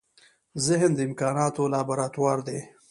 ذهن د امکانونو لابراتوار دی.